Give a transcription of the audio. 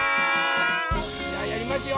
じゃあやりますよ！